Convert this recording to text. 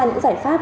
những giải pháp